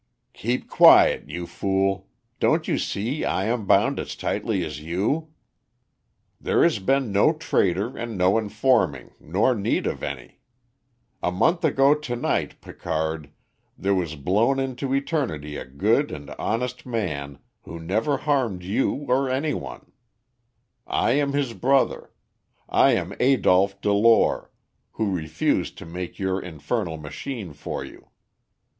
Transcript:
"Keep quiet, you fool. Don't you see I am bound as tightly as you?" "There has been no traitor and no informing, nor need of any. A month ago tonight, Picard, there was blown into eternity a good and honest man, who never harmed you or any one. I am his brother. I am Adolph Delore, who refused to make your infernal machine for you.